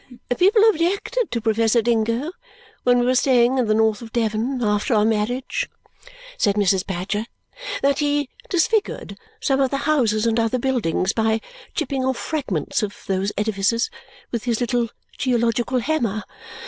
"People objected to Professor Dingo when we were staying in the north of Devon after our marriage," said Mrs. Badger, "that he disfigured some of the houses and other buildings by chipping off fragments of those edifices with his little geological hammer.